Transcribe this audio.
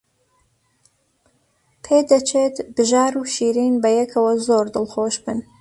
پێدەچێت بژار و شیرین بەیەکەوە زۆر دڵخۆش بن.